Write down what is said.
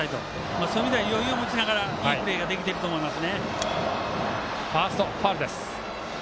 そういう意味では余裕を持ちながらいいプレーができていると思います。